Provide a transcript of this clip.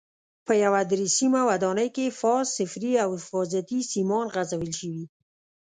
په یوه درې سیمه ودانۍ کې فاز، صفري او حفاظتي سیمان غځول شوي.